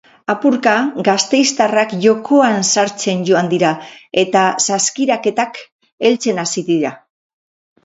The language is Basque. Apurka, gasteiztarrak jokoan sartzen joan dira eta saskiraketak heltzen hasi dira.